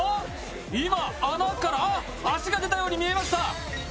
今、穴から足が出たように見えました！